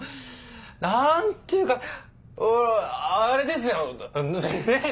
何ていうかあれですよねぇ